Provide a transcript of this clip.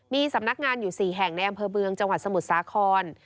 มีสำนักงานอยู่๔แห่งในอำเภอเมืองจังหวัดสมุทรสาคร